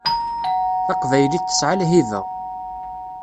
Taqbaylit tesɛa lhiba.